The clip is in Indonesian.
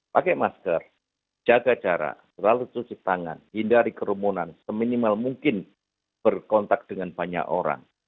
pakai masker jaga jarak lalu cuci tangan hindari kerumunan seminimal mungkin berkontak dengan banyak orang